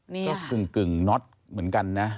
นี่ก็กึ่งน็อตเหมือนกันนะ